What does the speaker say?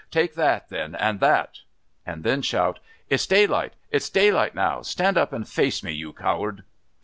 Take that, then, and that!" And then shout, "It's daylight! It's daylight now! Stand up and face me, you coward!"